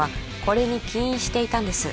これに起因していたんです